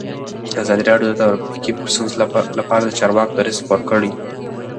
ازادي راډیو د ټرافیکي ستونزې لپاره د چارواکو دریځ خپور کړی.